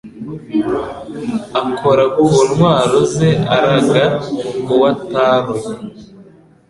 Akora ku ntwaro ze Araga uwo ataroye